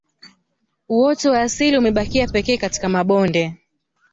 Uoto wa asilia umebaki pekee katika mabonde